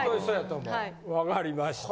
分かりました